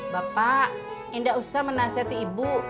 bapak indah usah menasihati ibu